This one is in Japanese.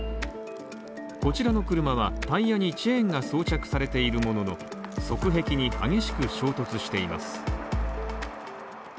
こちらの車はタイヤにチェーンが装着されているものの側壁に激しく衝突しています。